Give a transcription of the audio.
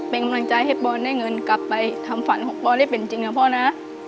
เป็นกำลังใจให้ปอนได้เงินกลับไปทำฝันของปอนได้เป็นจริงนะพ่อนะ